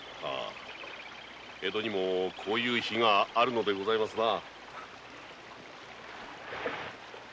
江戸にもこのような日があるのでございますな。